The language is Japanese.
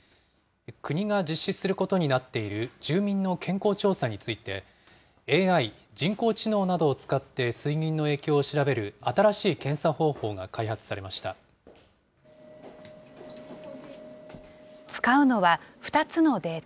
国が実施することになっている住民の健康調査について、ＡＩ・人工知能などを使って水銀の影響を調べる新しい検査方法が使うのは２つのデータ。